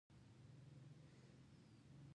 هغوی یوځای د خوښ ستوري له لارې سفر پیل کړ.